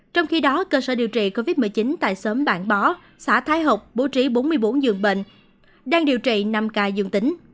trong khi đó cơ sở điều trị covid một mươi chín tại xóm bản bó xã thái học bố trí bốn mươi bốn dường bệnh đang điều trị năm ca dương tính